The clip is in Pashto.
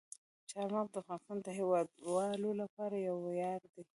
چار مغز د افغانستان د هیوادوالو لپاره یو ویاړ دی.